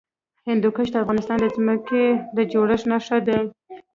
هندوکش د افغانستان د ځمکې د جوړښت نښه ده.